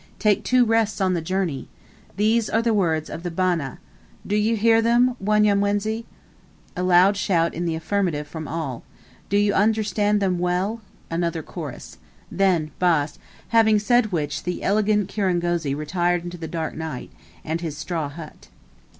Take two rests on the journey! These are the words of the Bana (master). Do you hear them, Wanyamwezi? (A loud shout in the affirmative from all.) Do you understand them well? (another chorus); then Bas;" having said which, the eloquent kirangozi retired into the dark night, and his straw hut.